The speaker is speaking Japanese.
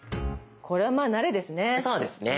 これはまあ慣れですね。